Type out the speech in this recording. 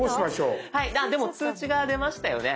でも通知が出ましたよね。